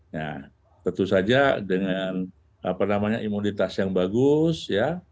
nah tentu saja dengan apa namanya imunitas yang bagus ya